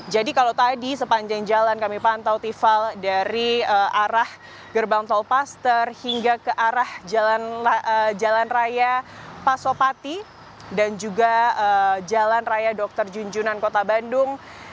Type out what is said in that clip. jadi kalau tadi sepanjang jalan kami pantau tifal dari arah gerbang tol pasta hingga ke arah jalan raya pasopati dan juga jalan raya dr junjunan kota bandung